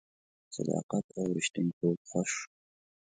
صداقت او ریښتینتوب خوښ شو.